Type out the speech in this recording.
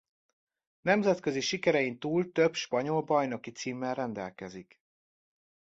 Nemzetközi sikerein túl több spanyol bajnoki címmel rendelkezik.